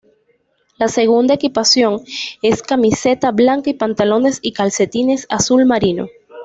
La segunda equipación es camiseta blanca y pantalones y calcetines azul marino.